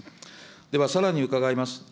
ではさらに伺います。